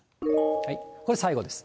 これ、最後です。